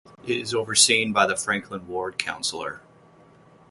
It is overseen by the Franklin Ward councillor.